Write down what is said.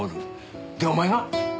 でお前が。